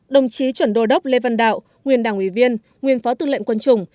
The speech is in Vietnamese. đồng chí chuẩn đồ đốc lê văn đạo nguyên đảng ủy viên nguyên phó tư lệnh quân chủng